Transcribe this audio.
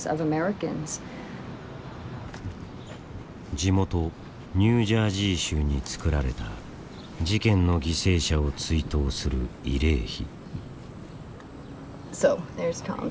地元ニュージャージー州につくられた事件の犠牲者を追悼する慰霊碑。